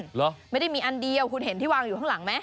เหรอไม่ได้มีอันเดียวคุณเห็นที่วางอยู่ข้างหลังไหม